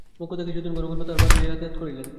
মোক্ষদা কিছুদিন ঘন ঘন তাঁহার বাড়ি যাতায়াত করিলেন।